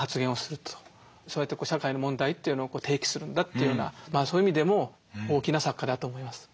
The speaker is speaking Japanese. そうやって社会の問題というのを提起するんだというようなそういう意味でも大きな作家だと思います。